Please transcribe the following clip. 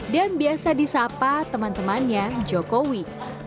dan biasa disapa teman temannya jokowi